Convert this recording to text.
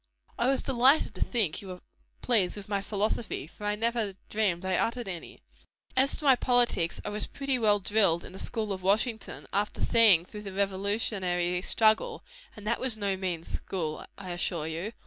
"I was delighted to think you were pleased with my philosophy for I never dreamed I uttered any. As to my politics, I was pretty well drilled in the school of Washington, after seeing through the revolutionary struggle; and that was no mean school, I assure you.